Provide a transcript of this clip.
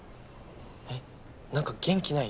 えっ何か元気ない？